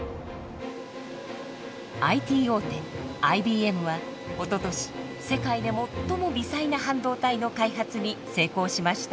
ＩＴ大手ＩＢＭはおととし世界で最も微細な半導体の開発に成功しました。